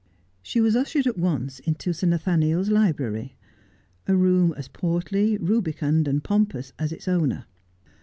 She was ushered at once into Sir Nathaniel's library — a room as portly, rubicund, and pompous as ite owner.